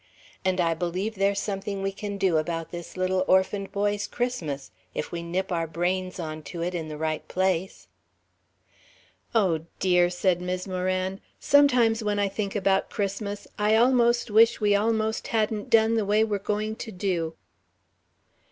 And I believe there's something we can do about this little orphaned boy's Christmas, if we nip our brains on to it in the right place." "Oh, dear," said Mis' Moran, "sometimes when I think about Christmas I almost wish we almost hadn't done the way we're going to do."